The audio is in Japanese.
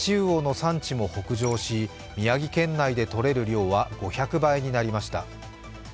たちうおの産地も北上し、宮城県内でとれる量は５００倍になりました。